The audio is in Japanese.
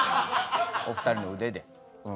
お二人の腕で。